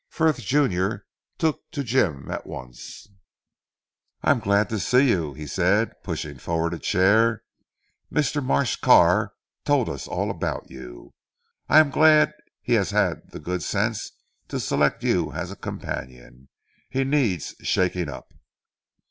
Frith junior took to Jim at once. "I am glad to see you," he said pushing forward a chair, "Mr. Marsh Carr told us all about you. I am glad he has had the good sense to select you as a companion. He needs shaking up."